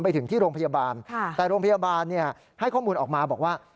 ไปถึงที่โรงพยาบาลแต่โรงพยาบาลให้ข้อมูลออกมาบอกว่า